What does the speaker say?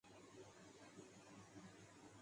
ہر طرف سے پٹ رہے تھے۔